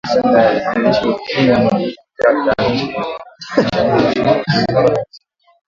Wanajeshi wa Ukraine wadhibithi miji kadhaa na kurusha kombora Urusi